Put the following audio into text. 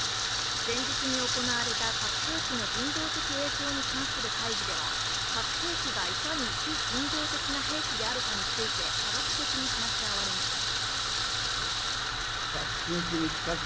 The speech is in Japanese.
前日に行われた核兵器の人道的影響に関する会議では、核兵器がいかに非人道的な兵器であるかについて科学的に話し合われました。